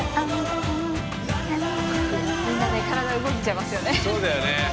みんなね体動いちゃいますよね。